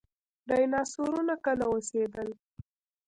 ډیناسورونه کله اوسیدل؟